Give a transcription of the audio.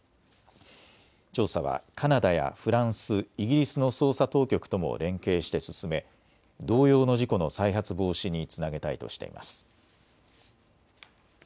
調査はカナダやフランス、イギリスの捜査当局とも連携して進め同様の事故の再発防止につなげたいとしています。